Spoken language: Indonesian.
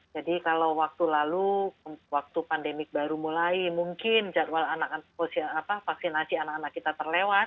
jadi kalau waktu lalu waktu pandemi baru mulai mungkin jadwal vaksinasi anak anak kita terlewat